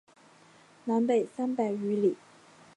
南北三百余里。